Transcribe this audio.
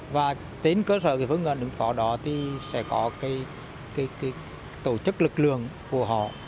và đến cơ sở phương án ứng phỏ đó sẽ có tổ chức lực lượng của họ